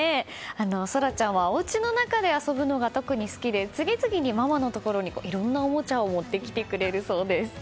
奏来ちゃんはおうちの中で遊ぶのが特に好きで次々にママのところにいろんなおもちゃを持ってきてくれるそうです。